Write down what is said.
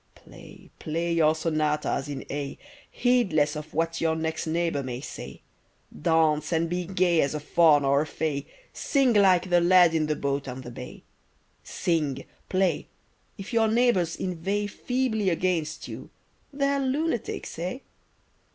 Play, play, your sonatas in A, Heedless of what your next neighbour may say! Dance and be gay as a faun or a fay, Sing like the lad in the boat on the bay; Sing, play—if your neighbours inveigh Feebly against you, they're lunatics, eh?